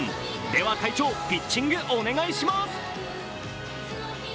では会長、ピッチング、お願いします。